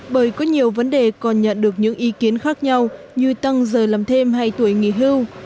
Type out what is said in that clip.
bởi có nhiều vấn đề còn nhận được những ý kiến khác nhau như tăng giờ làm thêm hay tuổi nghỉ hưu